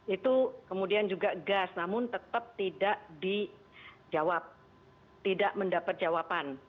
itu kemudian juga gas namun tetap tidak dijawab tidak mendapat jawaban